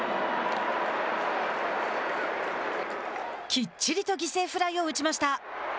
きっちりと犠牲フライを打ちました。